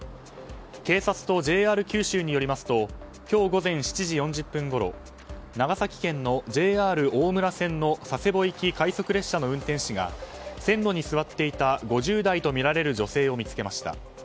警察とＪＲ九州によりますと今日午前７時４０分ごろ長崎県のＪＲ大村線の佐世保行き快速列車の運転士が線路に座っていた５０代とみられる女性を見つけました。